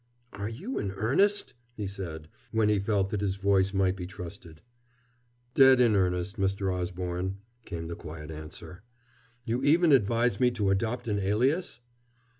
"Are you in earnest?" he said, when he felt that his voice might be trusted. "Dead in earnest, Mr. Osborne," came the quiet answer. "You even advise me to adopt an alias?"